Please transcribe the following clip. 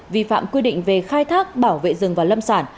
vi phạm quy định về khai thác bảo vệ rừng và lâm sản